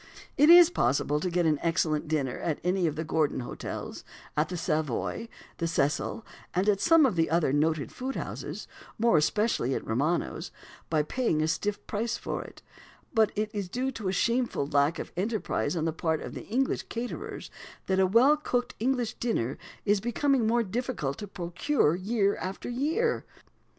It is possible to get an excellent dinner at any of the "Gordon" hotels, at the "Savoy," the "Cecil," and at some other noted food houses more especially at Romano's by paying a stiff price for it; but it is due to a shameful lack of enterprise on the part of English caterers that a well cooked English dinner is becoming more difficult to procure, year after year.